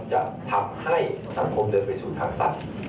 จะทำให้สังคมเดินไปสู่ทางตัน